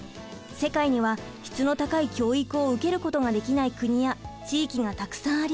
世界には質の高い教育を受けることができない国や地域がたくさんあります。